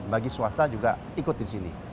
bagi swasta juga ikut di sini